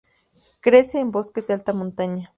Crece en bosques de alta montaña.